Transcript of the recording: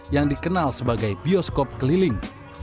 yang dikenal sebagai bioskop keliling